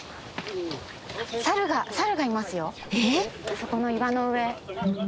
そこの岩の上。